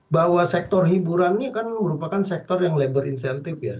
bahwa sektor hiburannya kan merupakan sektor yang labor incentive ya